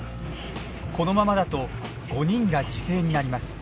このままだと５人が犠牲になります。